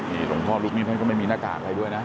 นี่หลวงพ่อลูกหนี้ท่านก็ไม่มีหน้ากากอะไรด้วยนะ